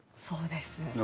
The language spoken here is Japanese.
そうです。